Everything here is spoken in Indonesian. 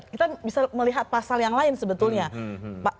kita bisa melihat pasal yang lain sebetulnya